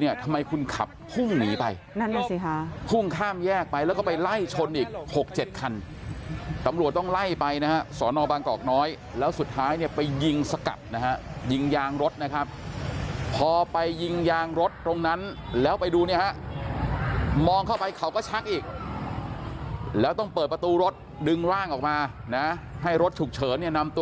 เนี่ยทำไมคุณขับพุ่งหนีไปนั่นน่ะสิค่ะพุ่งข้ามแยกไปแล้วก็ไปไล่ชนอีกหกเจ็ดคันตำรวจต้องไล่ไปนะฮะสอนอบางกอกน้อยแล้วสุดท้ายเนี่ยไปยิงสกัดนะฮะยิงยางรถนะครับพอไปยิงยางรถตรงนั้นแล้วไปดูเนี่ยฮะมองเข้าไปเขาก็ชักอีกแล้วต้องเปิดประตูรถดึงร่างออกมานะให้รถฉุกเฉินเนี่ยนำตัว